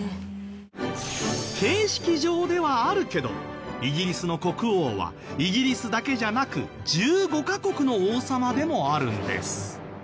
形式上ではあるけどイギリスの国王はイギリスだけじゃなく１５カ国の王様でもあるんです。